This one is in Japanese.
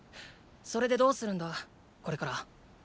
それでどうするんだこれから？